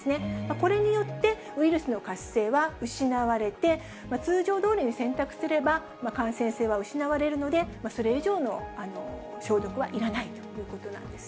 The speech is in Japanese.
これによって、ウイルスの活性は失われて、通常どおりに洗濯すれば、感染性は失われるので、それ以上の消毒はいらないということなんです。